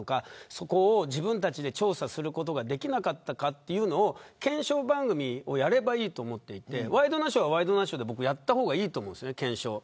そこを自分たちで調査することができなかったかというのを検証番組をやればいいと思っていてワイドナショーはワイドナショーでやった方がいいと思うんです。